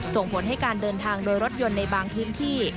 ส่งผลให้การเดินทางโดยรถยนต์ในบางพื้นที่